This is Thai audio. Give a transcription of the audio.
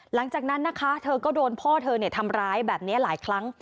หลังจากนั้นนะคะเธอก็โดนพ่อเธอทำร้ายแบบนี้หลายครั้ง